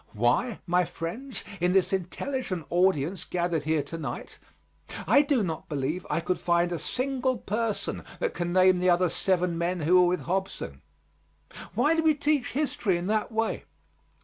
Why, my friends, in this intelligent audience gathered here to night I do not believe I could find a single person that can name the other seven men who were with Hobson. Why do we teach history in that way?